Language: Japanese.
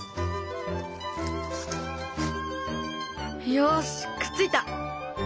よしくっついた！